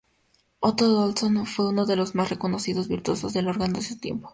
Otto Olsson fue uno de los más reconocidos virtuosos del órgano de su tiempo.